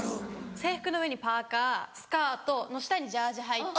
制服の上にパーカスカートの下にジャージーはいて。